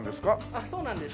あっそうなんです。